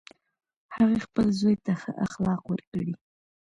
هغې خپل زوی ته ښه اخلاق ورکړی